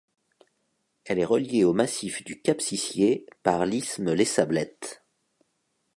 Elle est reliée au massif du Cap-Sicié par l'isthme Les Sablettes.